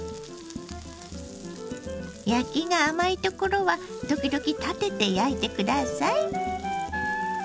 焼きが甘いところは時々立てて焼いて下さい。